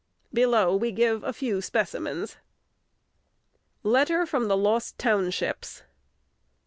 Below we give a few specimens: LETTER FROM THE LOST TOWNSHIPS.